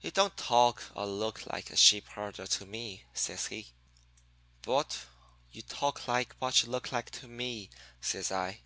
"'You don't talk or look like a sheep herder to me,' says he. "'But you talk like what you look like to me,' says I.